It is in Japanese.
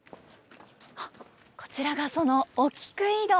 こちらがそのお菊井戸。